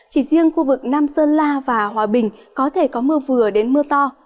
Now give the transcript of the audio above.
chỉ riêng khu vực nam sơn la và hòa bình có thể có mưa vừa đến mưa to